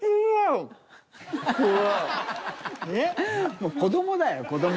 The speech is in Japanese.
もう子供だよ子供。